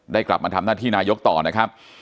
กลับมาทำหน้าที่นายกต่อนะครับ